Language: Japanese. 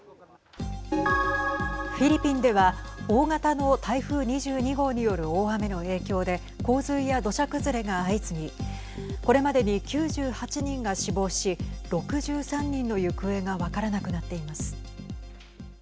フィリピンでは大型の台風２２号による大雨の影響で洪水や土砂崩れが相次ぎこれまでに９８人が死亡し６３人の行方が分からなくなっています。